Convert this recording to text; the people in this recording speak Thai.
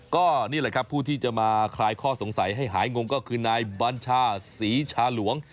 ก็นี่แหละครับผู้ที่จะมาคลายข้อสงสัยให้หายงงก็คือนายบัญชาศรีชาหลวง